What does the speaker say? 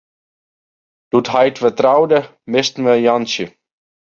Doe't heit wer troude, misten we Jantsje.